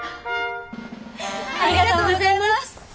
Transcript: ありがとうございます！